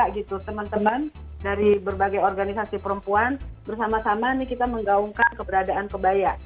jadi itu teman teman dari berbagai organisasi perempuan bersama sama ini kita menggaungkan keberadaan kebaya